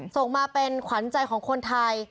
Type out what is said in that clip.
ส่งมาเป็นขวัญใจของคนไทย